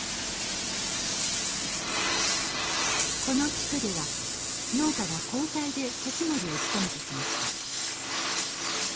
この地区では農家が交代で堰守を務めてきました。